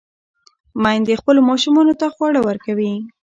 میندې خپلو ماشومانو ته خواړه ورکوي.